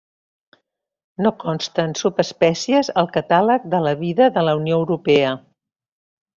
No consten subespècies al Catàleg de la Vida de la Unió Europea.